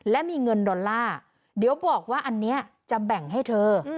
และมีเงินดอลลาร์เดี๋ยวบอกว่าอันนี้จะแบ่งให้เธอ